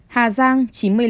hà giang chín mươi năm